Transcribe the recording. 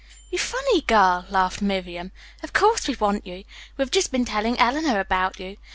"You funny girl," laughed Miriam. "Of course we want you. We have just been telling Eleanor about you.